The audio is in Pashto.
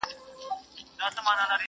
كوم اكبر به ورانوي د فرنګ خونه؛